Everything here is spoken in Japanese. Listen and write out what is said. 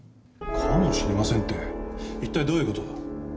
「かもしれません」って一体どういう事だ？